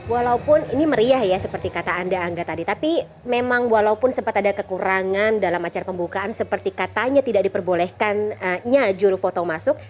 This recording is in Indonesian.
walaupun ini meriah ya seperti kata anda angga tadi tapi memang walaupun sempat ada kekurangan dalam acara pembukaan seperti katanya tidak diperbolehkannya juru foto masuk